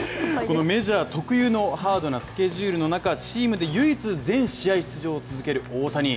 メジャー特有のハードなスケジュールの中チームで唯一、全試合出場を続ける大谷。